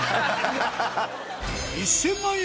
１０００万円